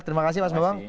terima kasih mas bambang